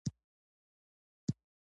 په غرمه کې هر څه ورو حرکت کوي